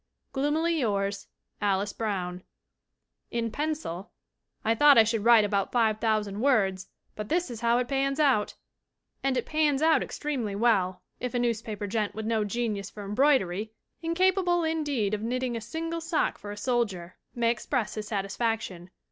"Gloomily yours, "ALICE BROWN." [In pencil] "I thought I should write about five thousand words, but this is how it pans out!" And it pans out extremely well, if a newspaper gent with no genius for embroidery, incapable, indeed, of knitting a single sock for a soldier, may express his satisfaction.